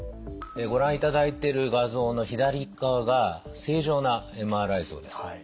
ご覧いただいてる画像の左側が正常なＭＲＩ像です。